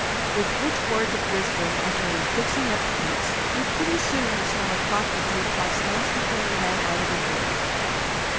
With which words of wisdom I started fixing up the eats, and pretty soon the smell of coffee drew pop's handsome curly head out of his room.